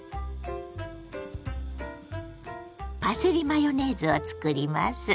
パセリマヨネーズを作ります。